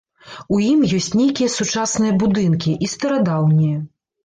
У ім ёсць нейкія сучасныя будынкі і старадаўнія.